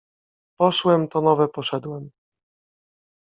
Poszłem to nowe poszedłem.